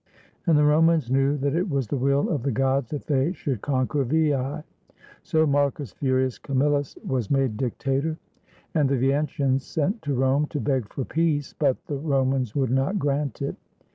And the Romans knew that it was the will of the gods that they should conquer Veii. So Marcus Furius Camillus was made dictator; and the Veientians sent to Rome to beg for peace, but the Ro mans would not grant it.